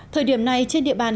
thời điểm này trên địa bàn